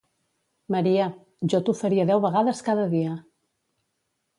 Maria... jo t'ho faria deu vegades cada dia!